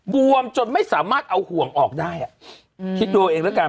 วมจนไม่สามารถเอาห่วงออกได้อ่ะคิดดูเอาเองแล้วกัน